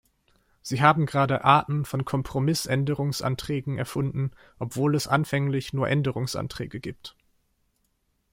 Sie haben gerade Arten von Kompromissänderungsanträgen erfunden, obwohl es anfänglich nur Änderungsanträge gibt.